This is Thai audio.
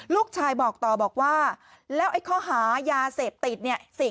ลูกชายบอกต่อบอกว่าแล้วไอ้ข้อหายาเสพติดเนี่ย